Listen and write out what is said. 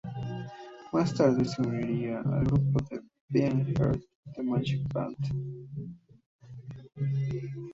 Más tarde se uniría al grupo de Beefheart, The Magic Band.